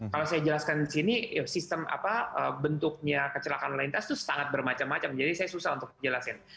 kalau saya jelaskan di sini sistem bentuknya kecelakaan lalu lintas itu sangat bermacam macam jadi saya susah untuk jelasin